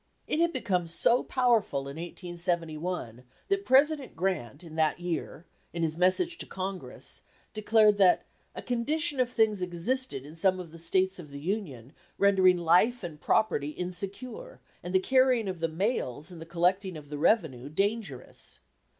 It had become so powerful in 1871 that President Grant in that year, in his message to Congress, declared that "a condition of things existed in some of the States of the Union rendering life and property insecure, and the carrying of the mails and the collecting of the revenue dangerous."